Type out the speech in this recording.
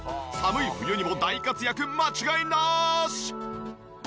寒い冬にも大活躍間違いなし！